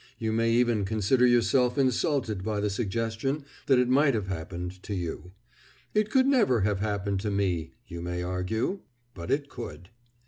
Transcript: You may even consider yourself insulted by the suggestion that it might have happened to you. "It could never have happened to me," you may argue. But it could.